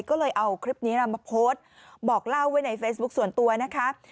ก็เลยเอาคลิปนี้มาโพสต์บอกเล่าไว้ในเฟซบุ๊คส่วนตัวนะคะ